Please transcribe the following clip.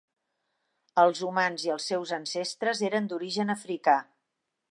Els humans i els seus ancestres eren d'origen africà.